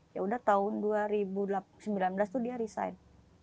yaudah tahun dua ribu sembilan belas tuh dia resign